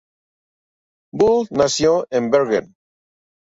Bull nació en Bergen.